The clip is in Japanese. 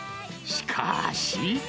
しかし。